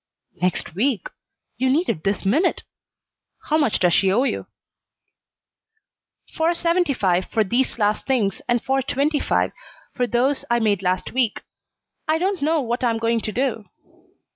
"Next week! You need it this minute. How much does she owe you?" "Four seventy five for these last things, and four twenty five for those I made last week. I don't know what I'm going to do."